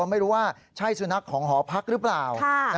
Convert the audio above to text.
ไม่รู้ว่าใช่สุนัขของหอพักหรือเปล่า